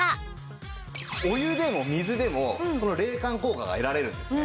お湯でも水でもこの冷感効果が得られるんですね。